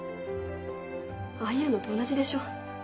ああいうのと同じでしょ？